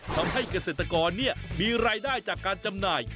ทำให้เกษตรกรมีรายได้จากการจำหน่าย